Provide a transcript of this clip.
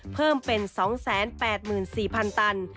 เพิ่มเป็น๒๘๔๐๐๐ตัน